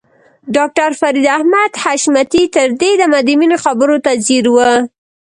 ډاکټر فريد احمد حشمتي تر دې دمه د مينې خبرو ته ځير و.